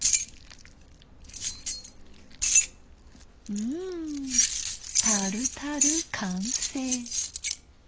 うんタルタル完成。